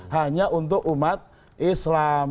hanya untuk umat islam